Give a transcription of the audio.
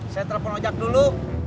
saya telepon ojak dulu